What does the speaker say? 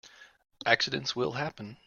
Accidents will happen.